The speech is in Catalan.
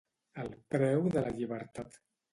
El preu de la llibertat.